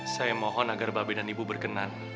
saya mohon agar babe dan ibu berkenan